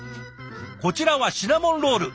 こちらはシナモンロール。